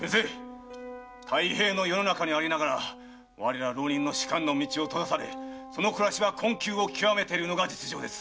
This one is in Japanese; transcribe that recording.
太平の世の中にありながら我ら浪人の仕官の道を閉ざされ暮らしは困窮を極めているのが実情です。